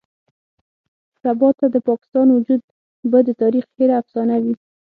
سباته د پاکستان وجود به د تاريخ هېره افسانه وي.